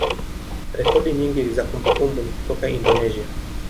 rekodi nyingi za kumbukumbu ni kutoka Indonesia.